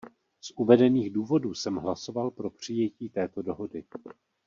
Z uvedených důvodů jsem hlasoval pro přijetí této dohody.